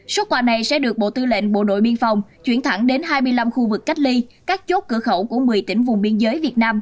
số quà này sẽ được bộ tư lệnh bộ đội biên phòng chuyển thẳng đến hai mươi năm khu vực cách ly các chốt cửa khẩu của một mươi tỉnh vùng biên giới việt nam